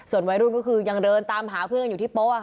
ส่วนวัยรุ่นก็คือยังเดินตามหาอภูมิอยู่ที่โบ๊ค